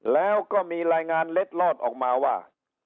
แล้วก็มีรายงานเล็ดลอดออกมาว่า